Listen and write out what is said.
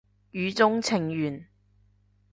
語中程緣